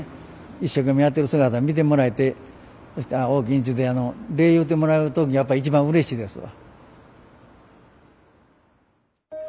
一生懸命やってる姿を見てもらえてそして「おおきに」ちゅうて礼言うてもらう時がやっぱ一番うれしいですわ。